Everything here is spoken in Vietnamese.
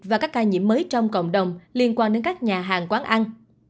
và các ca nhiễm mới trong cộng đồng liên quan đến các nhà hàng quán ăn